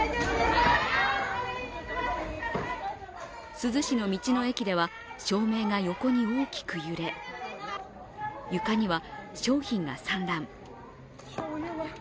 珠洲市の道の駅では、照明が横に大きく揺れ、床には、商品が散乱。